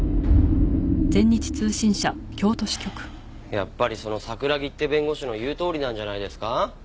やっぱりその櫻木って弁護士の言うとおりなんじゃないですか？